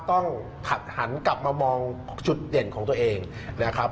ต้องหันกลับมามองจุดเด่นของตัวเองนะครับ